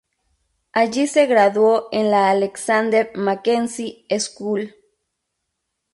Allí se graduó en la Alexander Mackenzie School.